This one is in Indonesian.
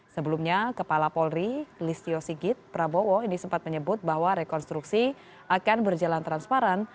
sebelumnya kepala polri listio sigit prabowo ini sempat menyebut bahwa rekonstruksi akan berjalan transparan